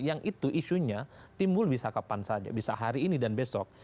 yang itu isunya timbul bisa kapan saja bisa hari ini dan besok